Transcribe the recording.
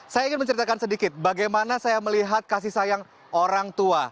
saya ingin menceritakan sedikit bagaimana saya melihat kasih sayang orang tua